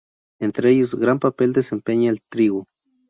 Entre ellos gran papel desempeña el trigo.